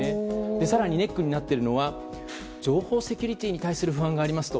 更にネックになってるのは情報セキュリティーに対して不安があると。